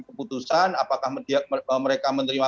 keputusan apakah mereka menerima